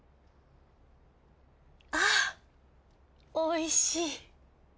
あおいしい。